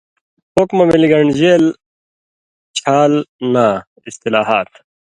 حُکمہ مِلیۡ گن٘ڈژېل چھال ناں (اِصطِلاحات):